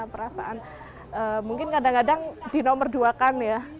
perasaan mungkin kadang kadang dinomorduakan ya